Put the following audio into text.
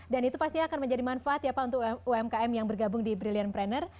dan itu pasti akan menjadi manfaat ya pak untuk umkm yang bergabung di brilliant planner